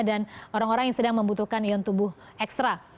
dan orang orang yang sedang membutuhkan ion tubuh ekstra